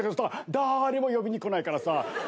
だれも呼びに来ないからさ。